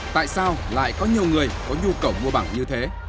tại sao lại có nhiều người có nhu cầu mua bằng như thế